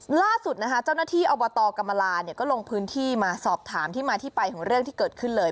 ล่าสุดนะคะเจ้าหน้าที่อบตกรรมลาเนี่ยก็ลงพื้นที่มาสอบถามที่มาที่ไปของเรื่องที่เกิดขึ้นเลย